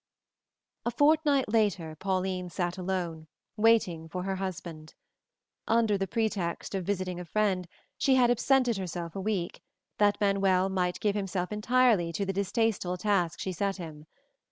A fortnight later Pauline sat alone, waiting for her husband. Under the pretext of visiting a friend, she had absented herself a week, that Manuel might give himself entirely to the distasteful task she set him.